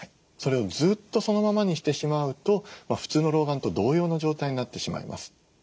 それをずっとそのままにしてしまうと普通の老眼と同様の状態になってしまいます。